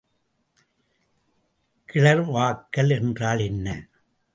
கிளர்வாக்கல் என்றால் என்ன?